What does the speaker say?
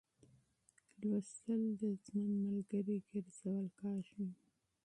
مطالعه د ژوند ملګری ګرځول کېږي.